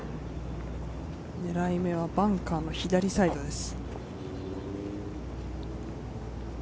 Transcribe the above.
狙い目はバンカーの左サイドです。